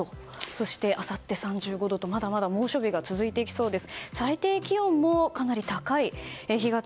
そして、あさって３５度とまだまだ猛暑日が続いてきそうです。